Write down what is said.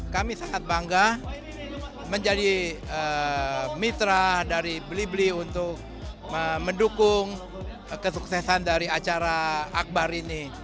kami sangat bangga menjadi mitra dari blibli untuk mendukung kesuksesan dari acara akbar ini